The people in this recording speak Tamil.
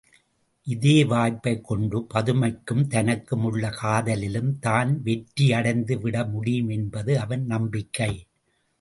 இதே வாய்ப்பைக் கொண்டு பதுமைக்கும் தனக்கும் உள்ள காதலிலும் தான் வெற்றியடைந்துவிட முடியும் என்பது அவன் நம்பிக்கை.